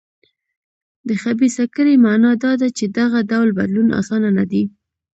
د خبیثه کړۍ معنا دا ده چې دغه ډول بدلون اسانه نه دی.